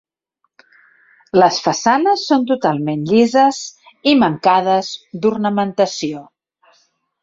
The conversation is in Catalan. Les façanes són totalment llises i mancades d'ornamentació.